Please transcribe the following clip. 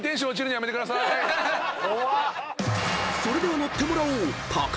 ［それでは乗ってもらおう］